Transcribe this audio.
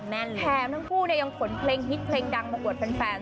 แถมทั้งคู่เนี่ยยังขนเพลงฮิตเพลงดังมาอวดแฟน